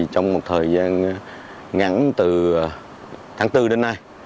trong một thời gian ngắn từ tháng bốn đến nay